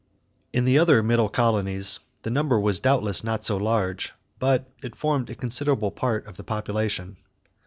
In the other Middle colonies the number was doubtless not so large; but it formed a considerable part of the population.